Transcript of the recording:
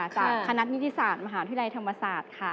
จากคณะนิติศาสตร์มหาวิทยาลัยธรรมศาสตร์ค่ะ